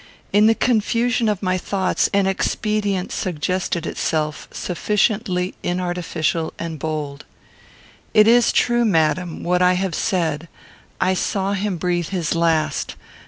In the confusion of my thoughts an expedient suggested itself sufficiently inartificial and bold. "It is true, madam, what I have said. I saw him breathe his last.